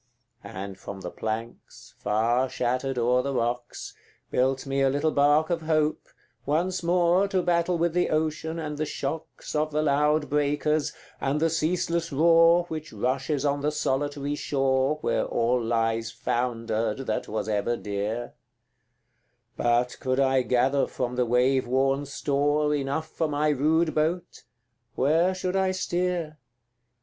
And from the planks, far shattered o'er the rocks, Built me a little bark of hope, once more To battle with the ocean and the shocks Of the loud breakers, and the ceaseless roar Which rushes on the solitary shore Where all lies foundered that was ever dear: But could I gather from the wave worn store Enough for my rude boat, where should I steer?